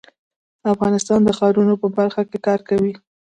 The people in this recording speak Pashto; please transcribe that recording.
افغانستان د ښارونو په برخه کې کار کوي.